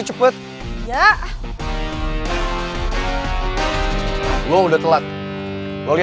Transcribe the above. tuh gue gak suka follow stalker sama lo